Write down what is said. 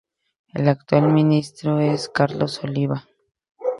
El actual ministro es Carlos Oliva.